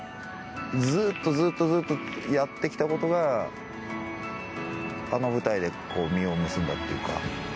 ずっとずっとずっとやってきたことがあの舞台で実を結んだっていうか。